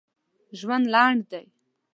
ژوند لنډ دی